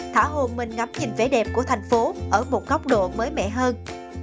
thả hồn mình ngắm nhìn vẻ đẹp của thành phố ở một góc độ mới mẻ hơn